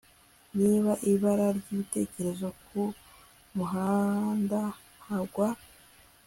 ni ibara ryibitekerezo.ku muhanda hagwa